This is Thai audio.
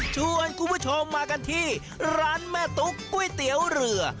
ชวนคุณผู้ชมมากันที่ร้านแม่ตุ๊กก๋วยเตี๋ยวเรือ